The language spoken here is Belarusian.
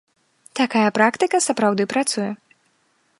Такая практыка сапраўды працуе.